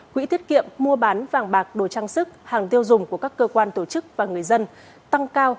quỹ tiết kiệm mua bán vàng bạc đồ trang sức hàng tiêu dùng của các cơ quan tổ chức và người dân tăng cao